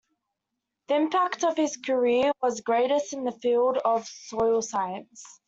The impact of his career was greatest in the field of soil science.